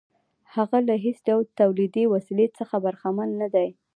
هغه له هېڅ ډول تولیدي وسیلې څخه برخمن نه دی